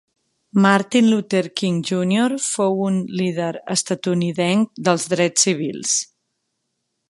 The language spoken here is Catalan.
Martin Luther King Jr. fou un líder estatunidenc dels drets civils.